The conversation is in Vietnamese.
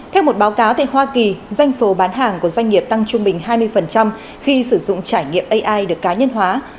theo một báo cáo tại hoa kỳ doanh số bán hàng của doanh nghiệp tăng trung bình hai mươi khi sử dụng trải nghiệm ai được cá nhân hóa